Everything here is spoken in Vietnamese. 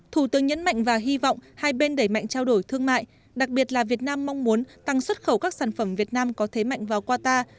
thủ tướng nhấn mạnh và hy vọng hai bên đẩy mạnh trao đổi thương mại đặc biệt là việt nam mong muốn tăng xuất khẩu các sản phẩm việt nam có thế mạnh vào qatar